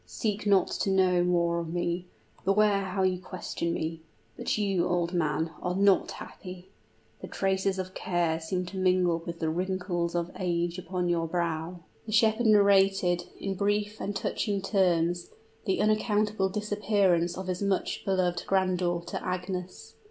"Seek not to know more of me beware how you question me. But you, old man, are not happy! The traces of care seem to mingle with the wrinkles of age upon your brow!" The shepherd narrated, in brief and touching terms, the unaccountable disappearance of his much beloved granddaughter Agnes.